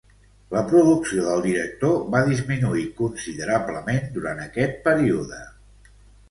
La producció del director va disminuir considerablement durant aquest període.